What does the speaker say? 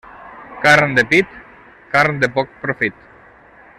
Carn de pit, carn de poc profit.